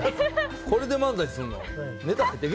これで漫才するの？